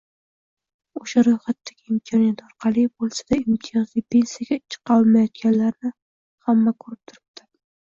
Oʻsha roʻyxatdagi imkoniyat orqali boʻlsada, imtiyozli pensiyaga chiqa olmayotganlarni hamma koʻrib turibdi.